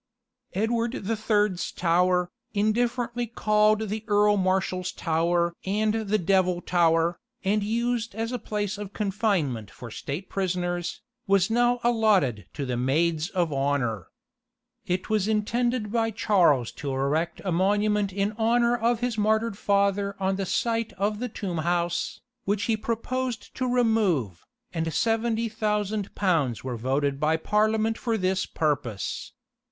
Edward the Third's Tower, indifferently called the Earl Marshal's Tower and the Devil Tower, and used as a place of confinement for state prisoners, was now allotted to the maids of honour. It was intended by Charles to erect a monument in honour of his martyred father on the site of the tomb house, which he proposed to remove, and 70,000 pounds were voted by Parliament for this purpose.